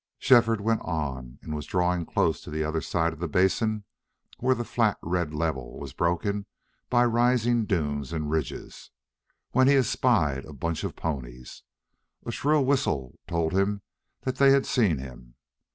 Shefford went on and was drawing close to the other side of the basin, where the flat red level was broken by rising dunes and ridges, when he espied a bunch of ponies. A shrill whistle told him that they had seen him.